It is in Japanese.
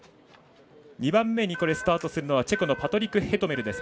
２番目にスタートするのはチェコのパトリク・ヘトメル。